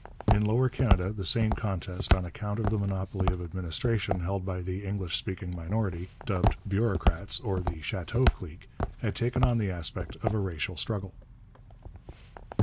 In Lower Canada the same contest, on account of the monopoly of administration held by the English speaking minority, dubbed 'Bureaucrats' or the 'Chateau Clique,' had taken on the aspect of a racial struggle.